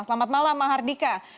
selamat malam mahardika